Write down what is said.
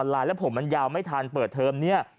ไลน์แล้วผมมันยาวไม่ทันเปิดเทอมเนี่ย